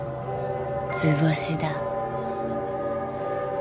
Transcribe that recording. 図星だ。